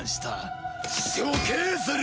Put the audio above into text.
処刑する！